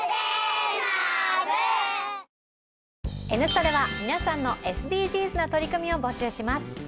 「Ｎスタ」では皆さんのＳＤＧｓな取り組みを募集します。